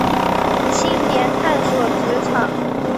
青年探索职场